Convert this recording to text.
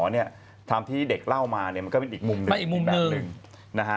ทางที่เบ๊กเล่ามามันเป็นอีกมุมหนึ่ง